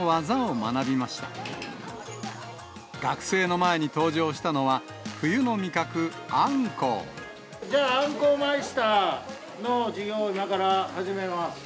学生の前に登場したのは、冬の味じゃあ、アンコウマイスターの授業を今から始めます。